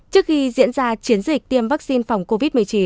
trước khi diễn ra chiến dịch tiêm vaccine phòng covid một mươi chín